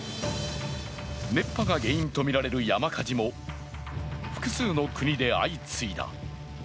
熱波が原因とみられる山火事も複数の国で相次いだ。